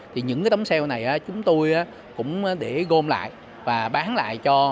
thì những cái tấm xeo này chúng tôi cũng để gom lại và bán lại cho